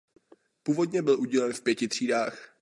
Původně byl udílen v pěti třídách.